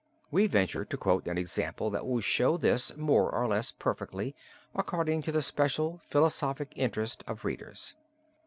We venture to quote an example that will show this more or less perfectly according to the special philosophic interest of readers.